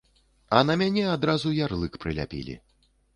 А на мяне адразу ярлык прыляпілі.